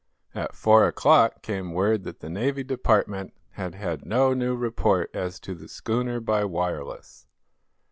At four o'clock came word that the Navy Department had had no new report as to the schooner by wireless.